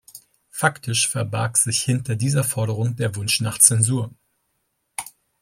Faktisch verbarg sich hinter dieser Forderung der Wunsch nach Zensur.